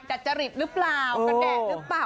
จัดจริตรึเปล่ากระแดดรึเปล่า